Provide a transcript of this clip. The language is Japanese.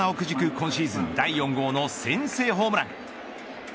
今シーズン第４号の先制ホームラン。